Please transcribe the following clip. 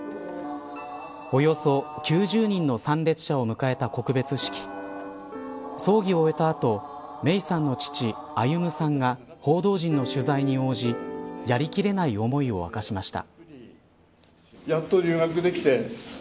およそ９０人の参列者を迎えた告別式葬儀を終えた後芽生さんの父、歩さんが報道陣の取材に応じやりきれない思いを明かしました。